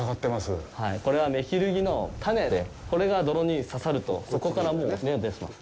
これはメヒルギの種で、これが泥に刺さるとそこからもう芽が出てきます。